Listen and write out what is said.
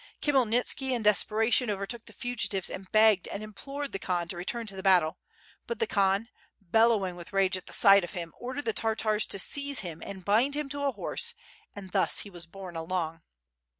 Khymelnitski in desperation overtook the fugitives, and begged and implored the Khan to return to the battle, but the Khan, bellowing with rage at the sight of him ordered the Tartars to seize him and bind him to a horse, 'and thus he was borne along.